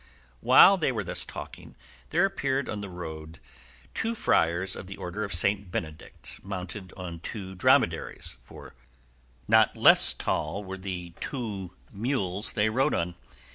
While they were thus talking there appeared on the road two friars of the order of St. Benedict, mounted on two dromedaries, for not less tall were the two mules they rode on.